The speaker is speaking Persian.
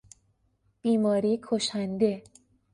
بیماری کشنده